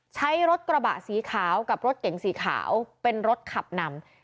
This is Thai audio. ใช้รถกระบะสีขาวกับรถเก๋งสีขาวเป็นรถขับนำ